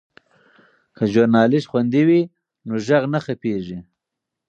که ژورنالیست خوندي وي نو غږ نه خپیږي.